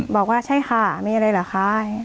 บอกว่าใช่ค่ะมีอะไรเหรอคะ